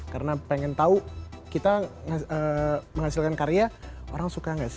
karena pengen tau kita menghasilkan karya orang suka gak sih